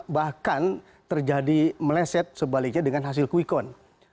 bahkan terjadi meleset sebaliknya dengan hasil kuikon